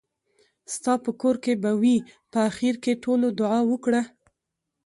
ستاپه کور کې به وي. په اخېر کې ټولو دعا وکړه .